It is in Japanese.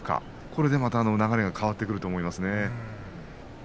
これによって、流れが変わってくると思いますね。